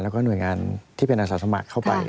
แล้วก็หน่วยงานที่เป็นอาสาสมัครเข้าไป